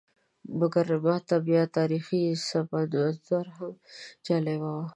مګر ماته بیا تاریخي پسمنظر هم جالب وي.